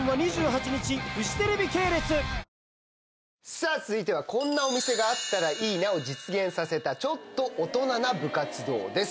さあ続いてはこんなお店があったらいいなを実現させたちょっと大人な部活動です。